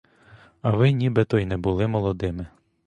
А ви ніби б то і не були молодими?